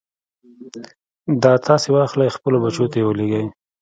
دا تاسې واخلئ خپلو بچو ته يې ولېږئ.